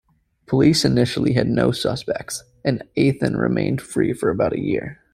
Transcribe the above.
Police initially had no suspects, and Eithun remained free for about a year.